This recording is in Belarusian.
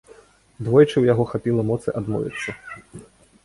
Двойчы ў яго хапіла моцы адмовіцца.